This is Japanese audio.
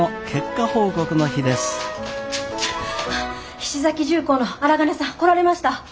菱崎重工の荒金さん来られました。